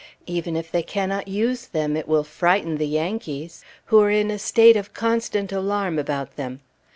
Even if they cannot use them, it will frighten the Yankees, who are in a state of constant alarm about them.